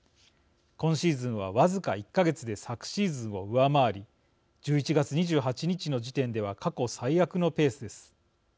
今シーズンは僅か１か月で昨シーズンを上回り１１月２８日の時点では過去、最悪のペースです。